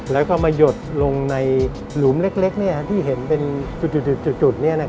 แล้วก็มาหยดลงในหลุมเล็กที่เห็นเป็นจุด